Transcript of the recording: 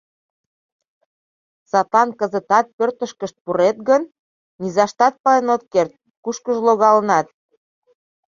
Садлан кызытат, пӧртышкышт пурет гын, низаштат пален от керт, кушкыжо логалынат.